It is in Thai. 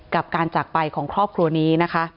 กับการจากไปของครอบครัวนี้นะคะ